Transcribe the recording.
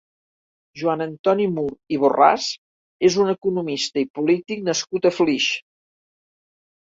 Joan Antoni Mur i Borràs és un economista i polític nascut a Flix.